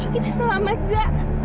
kita selamat za